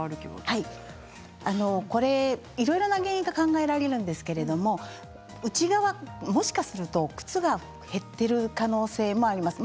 いろいろな原因が考えられるんですけれども内側、もしかすると靴が減っている可能性もあります。